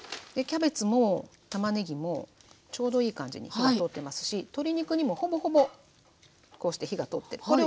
キャベツもたまねぎもちょうどいい感じに火が通ってますし鶏肉にもほぼほぼこうして火が通ってる。